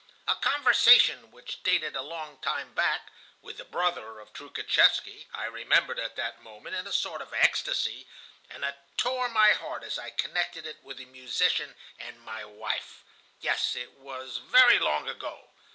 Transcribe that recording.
A conversation which dated a long time back, with the brother of Troukhatchevsky, I remembered at that moment, in a sort of ecstasy, and it tore my heart as I connected it with the musician and my wife. Yes, it was very long ago.